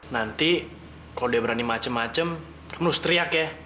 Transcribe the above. nanti kalau dia berani macem macem terus teriak ya